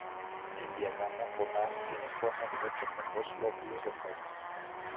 El diagrama polar tiene forma de ocho con dos lóbulos opuestos.